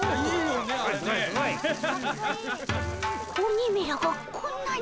鬼めらがこんなに。